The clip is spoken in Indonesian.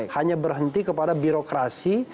hanya berhenti kepada birokrasi